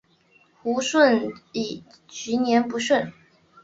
胡顺妃卒年不详。